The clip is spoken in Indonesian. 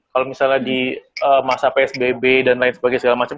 kalau misalnya di masa psbb dan lain sebagainya segala macam